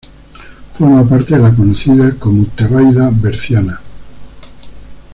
Forma parte de la conocida como Tebaida berciana.